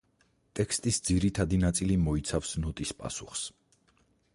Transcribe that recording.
ტექსტის ძირითადი ნაწილი მოიცავს ნოტის პასუხს.